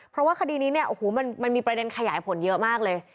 เพราะว่าคดีนี้เนี่ยโอ้โหมันมีประเด็นขยายผลเยอะมากเลย